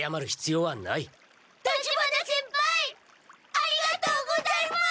ありがとうございます！